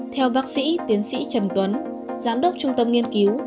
theo bác sĩ tiến sĩ trần tuấn giám đốc trung tâm nghiên cứu